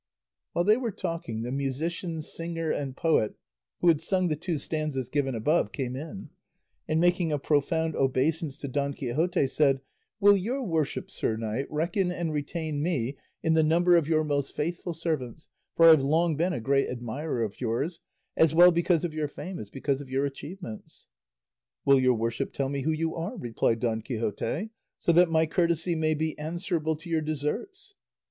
While they were talking, the musician, singer, and poet, who had sung the two stanzas given above came in, and making a profound obeisance to Don Quixote said, "Will your worship, sir knight, reckon and retain me in the number of your most faithful servants, for I have long been a great admirer of yours, as well because of your fame as because of your achievements?" "Will your worship tell me who you are," replied Don Quixote, "so that my courtesy may be answerable to your deserts?"